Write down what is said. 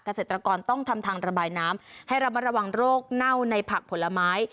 เกษตรกรต้องทำทางระบายน้ำให้ระมัดระวังโรคเน่าในผักผลไม้